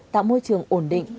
tạo môi trường ổn định